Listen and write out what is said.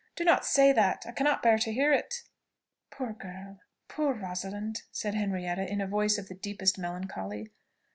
Do not say that; I cannot bear to hear it!" "Poor girl! poor Rosalind!" said Henrietta, in a voice of the deepest melancholy.